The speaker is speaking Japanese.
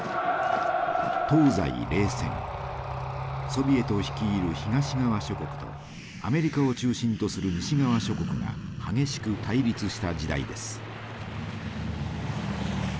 ソビエト率いる東側諸国とアメリカを中心とする西側諸国が激しく対立した時代です。